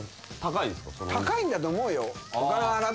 高いんだと思うよ。